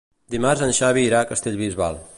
Dimarts en Xavi irà a Castellbisbal.